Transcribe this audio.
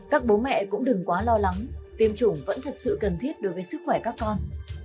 các bố mẹ cũng đừng quá lo lắng tiêm chủng vẫn thật sự cần thiết đối với sức khỏe các con